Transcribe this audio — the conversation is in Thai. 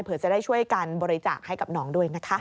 เพื่อจะได้ช่วยการบริจาคให้กับน้องด้วยนะคะ